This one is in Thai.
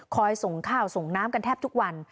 ส่งข้าวส่งน้ำกันแทบทุกวัน